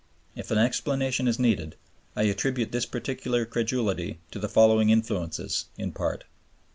If an explanation is needed, I attribute this particular credulity to the following influences in part.